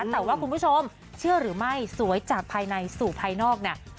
แต่ว่าคุณผู้ชมเชื่อหรือไม่สวยจากภายในสู่ภายนอกเนี่ย